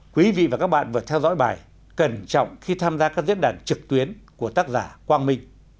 quý vị và các bạn vừa theo dõi bài cẩn trọng khi tham gia các diễn đàn trực tuyến của tác giả quang minh